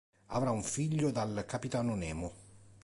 Avrà un figlio dal capitano Nemo.